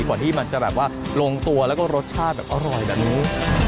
กว่าที่มันจะแบบว่าลงตัวแล้วก็รสชาติแบบอร่อยแบบนี้